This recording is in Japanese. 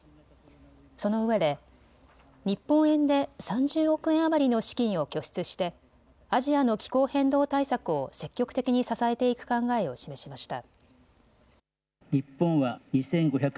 そのうえで日本円で３０億円余りの資金を拠出してアジアの気候変動対策を積極的に支えていく考えを示しました。